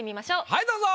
はいどうぞ！